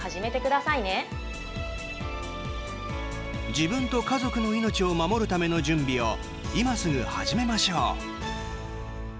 自分と家族の命を守るための準備を今すぐ始めましょう。